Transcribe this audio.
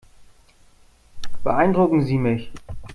Beeindrucken Sie mich.